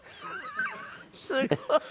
すごい。